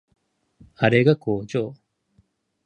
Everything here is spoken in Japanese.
あれが工場